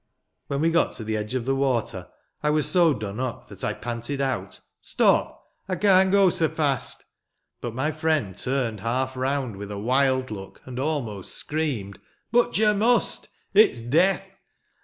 When we got to the edge of the water, I was so done up that I panted out: "Stop! I can't go so fast!" But my friend turned half round, with a wild look, and almost screamed: " But you must ! It's death